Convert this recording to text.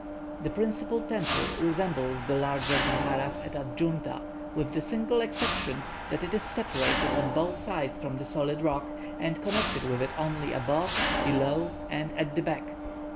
The principal temple resembles the larger viharas at Adjunta, with the single exception, that it is separated on both sides from the solid rock, and is connected with it only above, below, and at the back.